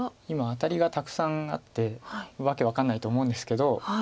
今アタリがたくさんあって訳分かんないと思うんですけど。